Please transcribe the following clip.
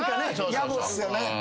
やぼっすよね。